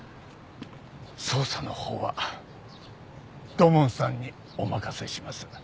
捜査のほうは土門さんにお任せします。